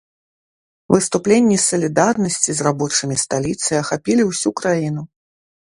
Выступленні салідарнасці з рабочымі сталіцы ахапілі ўсю краіну.